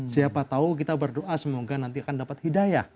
siapa tahu kita berdoa semoga nanti akan dapat hidayah